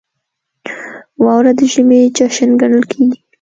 • واوره د ژمي جشن ګڼل کېږي.